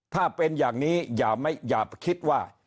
ถ้าเป็นอย่างนี้อย่าคิดว่า